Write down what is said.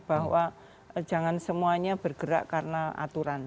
bahwa jangan semuanya bergerak karena aturan